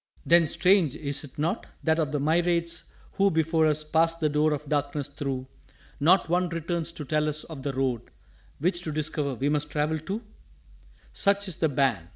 "_Then, strange, is't not? that of the myriads who Before us passed the door of Darkness through Not one returns to tell us of the Road, Which to discover we must travel too?_" "Such is the Ban!